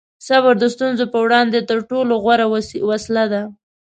صبر د ستونزو په وړاندې تر ټولو غوره وسله ده.